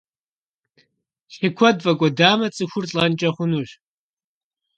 Лъы куэд фӀэкӀуэдамэ, цӀыхур лӀэнкӀэ хъунущ.